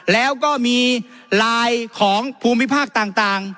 แล้วก็มีไลน์ของภูมิภาคต่าง